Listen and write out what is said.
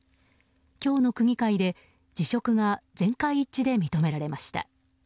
今日の区議会で辞職が全会一致で認められました。